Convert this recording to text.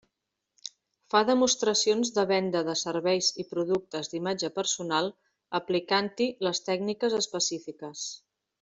Fa demostracions de venda de serveis i productes d'imatge personal aplicant-hi les tècniques específiques.